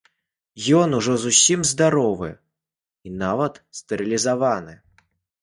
Ён ужо зусім здаровы і нават стэрылізаваны.